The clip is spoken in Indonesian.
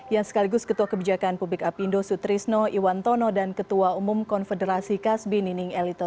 yang sekaligus ketua kebijakan publik apindo sutrisno iwantono dan ketua umum konfederasi kasbi nining elito